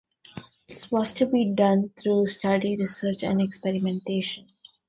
This was to be done through study, research, and experimentation.